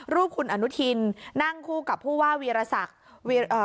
คุณอนุทินนั่งคู่กับผู้ว่าวีรศักดิ์